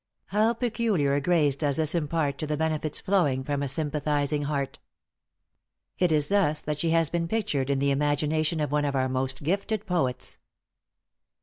How peculiar a grace does this impart to the benefits flowing from a sympathizing heart! It is thus that she has been pictured in the imagination of one of our most gifted poets.